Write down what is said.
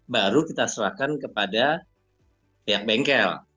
baru kita serahkan kepada pihak bengkel